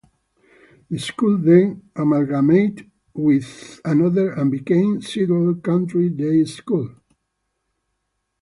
The school then amalgamated with another and became Seattle Country Day School.